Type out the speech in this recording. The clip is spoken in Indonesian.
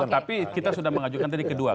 tapi kita sudah mengajukan tadi kedua